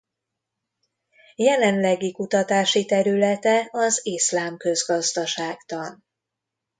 Jelenlegi kutatási területe az iszlám közgazdaságtan.